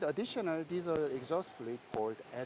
jadi ini adalah sistem pengurangan yang dikatakan scr